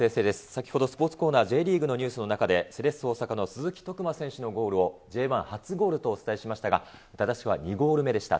先ほどスポーツコーナー、Ｊリーグのニュースの中で、セレッソ大阪の鈴木徳真選手のゴールをＪ１初ゴールとお伝えしましたが、正しくは２ゴール目でした。